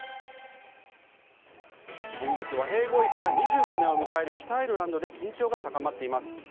今月、和平合意から２５年を迎える北アイルランドで緊張が高まっています。